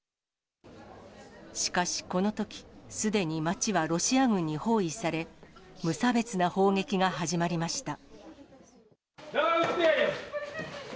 しかし、このとき、すでに街はロシア軍に包囲され、無差別な砲撃が始まりました。